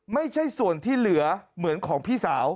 ไม่ใช่ส่วนที่เหลือเหมือนของพี่สาว